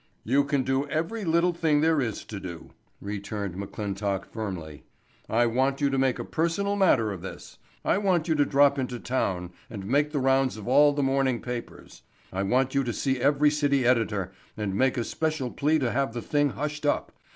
"You can do every little thing there is to do," returned McClintock firmly. "I want you to make a personal matter of this. I want you to drop into town and make the rounds of all the morning papers. I want you to see every city editor and make a special plea to have the thing hushed up.